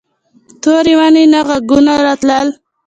تورې ونې نه غږونه راتلل.